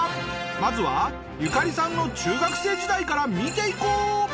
まずはユカリさんの中学生時代から見ていこう。